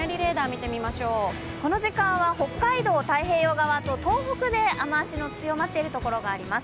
この時間は北海道太平洋側と東北で雨足の強まっているところがあります。